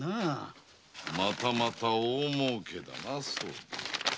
またまた大もうけだな。